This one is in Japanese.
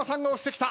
きた！